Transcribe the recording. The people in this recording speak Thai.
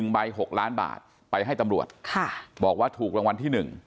ใบ๖ล้านบาทไปให้ตำรวจบอกว่าถูกรางวัลที่๑